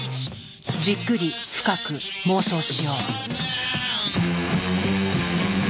じっくり深く妄想しよう。